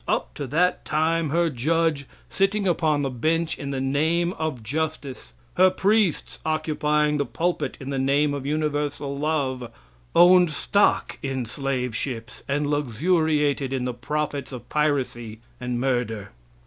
Up to that time her judge, sitting upon the bench in the name of justice; her priests, occupying the pulpit in the name of universal love, owned stock in slave ships and luxuriated in the profits of piracy and murder.